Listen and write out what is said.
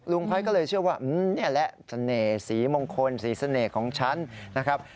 พัฒน์ก็เลยเชื่อว่านี่แหละเสน่ห์สีมงคลสีเสน่ห์ของฉันนะครับ